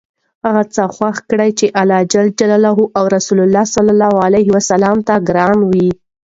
هغه څه خوښ کړه چې الله او رسول ته ګران وي.